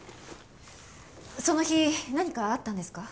その日何かあったんですか？